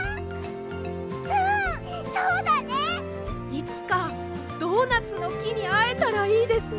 いつかドーナツのきにあえたらいいですね。